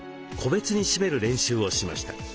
個別に締める練習をしました。